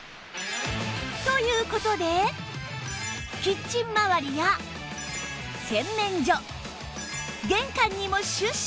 という事でキッチンまわりや洗面所玄関にもシュッ！